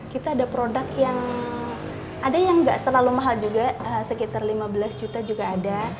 kita ada produk yang ada yang nggak terlalu mahal juga sekitar lima belas juta juga ada